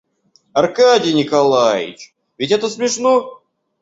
Аркадий Николаич, ведь это смешно?